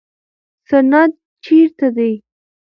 سند چیرته دی؟